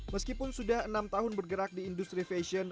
meskipun sudah enam tahun bergerak di industri fashion